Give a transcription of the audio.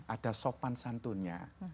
ada sopan santunnya